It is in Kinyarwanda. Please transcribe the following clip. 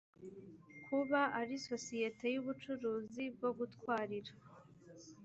kuba ari sosiyete y ubucuruzi bwo gutwarira